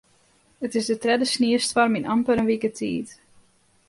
It is de tredde sniestoarm yn amper in wike tiid.